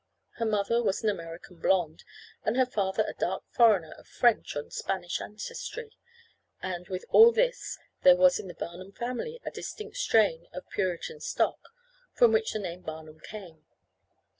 Her mother was an American blond, her father a dark foreigner of French and Spanish ancestry and, with all this there was in the Barnum family a distinct strain, of Puritan stock, from which the name Barnum came.